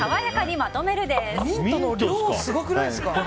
ミントの量すごくないですか？